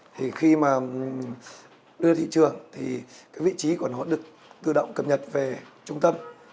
thì khi mà đưa ra thị trường thì cái vị trí của nó được tự động cập nhật về trung tâm